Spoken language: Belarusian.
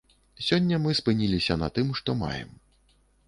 Сёння мы спыніліся на тым, што маем.